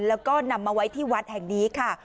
แล้วก็นำมาไว้ที่วัดแห่งนี้ค่ะ